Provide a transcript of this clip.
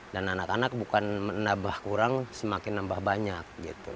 dan anak anak bukan menambah kurang semakin nambah banyak